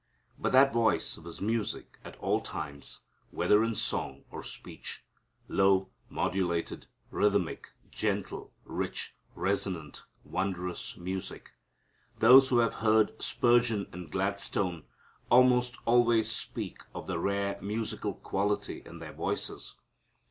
But that voice was music at all times, whether in song or speech. Low, modulated, rhythmic, gentle, rich, resonant wondrous music. Those who have heard Spurgeon and Gladstone almost always speak of the rare musical quality in their voices.